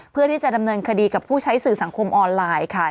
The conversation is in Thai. เพื่อที่จะดำเนินคดีกับผู้ใช้สื่อสังคมออนไลน์ค่ะ